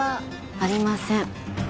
ありません